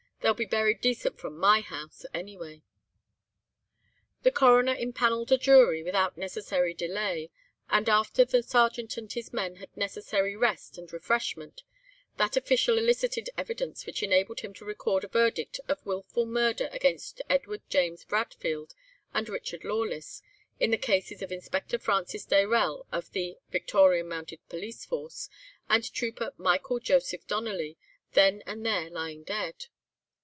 They'll be buried decent from my house, anyway.' "The Coroner impanelled a jury without unnecessary delay; and after the Sergeant and his men had necessary rest and refreshment, that official elicited evidence which enabled him to record a verdict of 'Wilful murder against Edward James Bradfield and Richard Lawless in the cases of Inspector Francis Dayrell of the Victorian Mounted Police Force, and trooper Michael Joseph Donnelly, then and there lying dead.